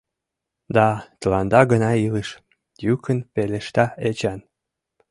«Да, тыланда гына илыш, — йӱкын пелешта Эчан.